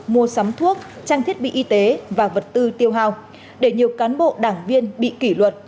mua sắm thuốc trang thiết bị y tế và vật tư tiêu hào để nhiều cán bộ đảng viên bị kỷ luật